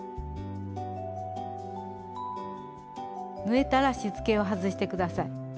縫えたらしつけを外して下さい。